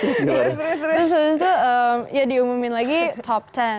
terus terus itu ya diumumin lagi top sepuluh